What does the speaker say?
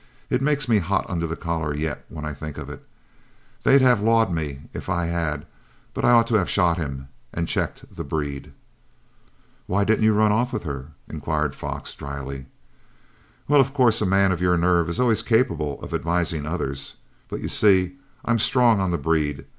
It makes me hot under the collar yet when I think of it. They'd have lawed me if I had, but I ought to have shot him and checked the breed." "Why didn't you run off with her?" inquired Fox, dryly. "Well, of course a man of your nerve is always capable of advising others. But you see, I'm strong on the breed.